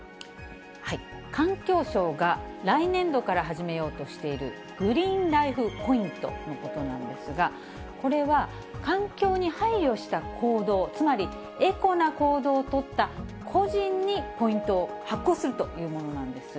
環境省が来年度から始めようとしているグリーンライフ・ポイントのことなんですが、これは環境に配慮した行動、つまり、エコな行動を取った個人にポイントを発行するというものなんです。